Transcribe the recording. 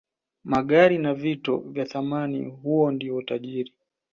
magari na vito vya thamani huyo ndio tajiri